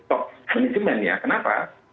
top management ya kenapa